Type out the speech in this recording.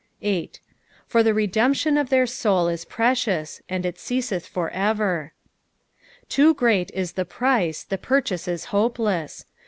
8. " For the redemption of their mmt ii preeicui, and it eeaeeth for etier." Too great is the price, the purchase is hopeless.